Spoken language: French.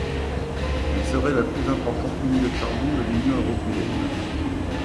Elle serait la plus importante mine de charbon de l'Union européenne.